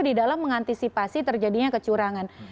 di dalam mengantisipasi terjadinya kecurangan